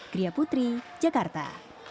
gria putri jakarta